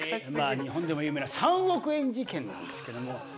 日本でも有名な３億円事件なんですけども。